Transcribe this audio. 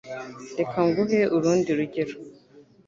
Reka nguhe urundi rugero.